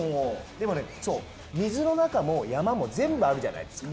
でも、水の中も山も全部あるじゃないですか。